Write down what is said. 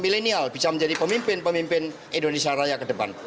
milenial bisa menjadi pemimpin pemimpin indonesia raya ke depan